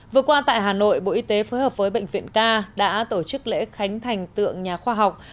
vừa qua tại hà nội bộ y tế phối hợp với bệnh viện k đã tổ chức lễ khánh thành tượng nhà khoa học